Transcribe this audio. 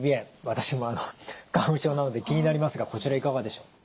私も花粉症なので気になりますがこちらいかがでしょう？